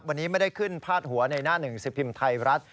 วันนี้ไม่ได้ขึ้นพาดหัวในหน้าหนึ่งสิบพิมพ์ไทยรัฐ